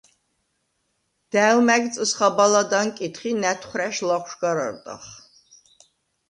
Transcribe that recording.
და̈ვ მა̈გ წჷსხა-ბალად ანკიდხ ი ნა̈თხვრა̈შ ლაღვშ გარ არდახ.